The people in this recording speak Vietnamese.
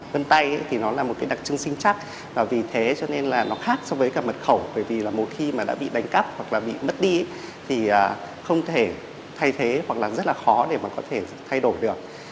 vân tay thì nó là một cái đặc trưng sinh chắc vì thế cho nên là nó khác so với cả mật khẩu bởi vì là một khi mà đã bị đánh cắp hoặc là bị mất đi thì không thể thay thế hoặc là rất là khó để mà có thể thay đổi được